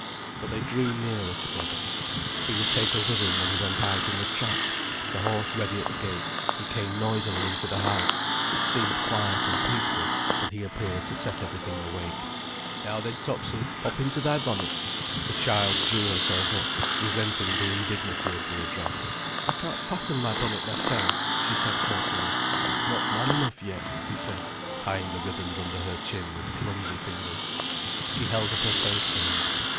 So they drew nearer together. He would take her with him when he went out in the trap. The horse ready at the gate, he came noisily into the house, which seemed quiet and peaceful till he appeared to set everything awake. "Now then, Topsy, pop into thy bonnet." The child drew herself up, resenting the indignity of the address. "I can't fasten my bonnet myself," she said haughtily. "Not man enough yet," he said, tying the ribbons under her chin with clumsy fingers. She held up her face to him.